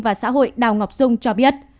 và xã hội đào ngọc dung cho biết